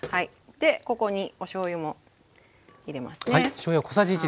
でここにおしょうゆも入れますね。